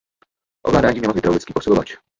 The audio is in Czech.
Ovládání mělo hydraulický posilovač.